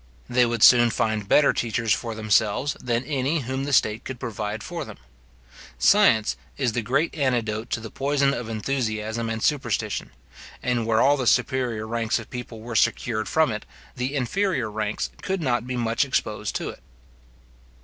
They would soon find better teachers for themselves, than any whom the state could provide for them. Science is the great antidote to the poison of enthusiasm and superstition; and where all the superior ranks of people were secured from it, the inferior ranks could not be much exposed to it.